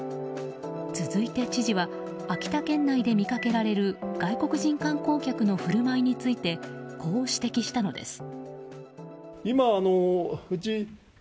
続いて知事は秋田県内で見かけられる外国人観光客の振る舞いについてこう指摘したのです。